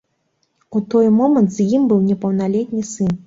У той момант з ім быў непаўналетні сын.